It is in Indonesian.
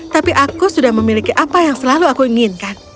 tapi aku sudah memiliki apa yang selalu aku inginkan